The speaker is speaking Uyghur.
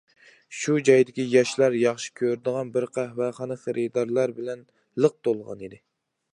شۇ جايدىكى ياشلار ياخشى كۆرىدىغان بىر قەھۋەخانا خېرىدارلار بىلەن لىق تولغان ئىدى.